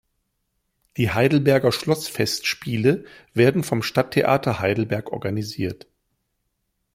Die Heidelberger Schlossfestspiele werden vom Stadttheater Heidelberg organisiert.